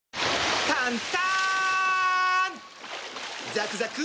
ザクザク！